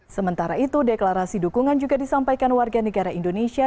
sementara itu deklarasi dukungan juga disampaikan warga negara indonesia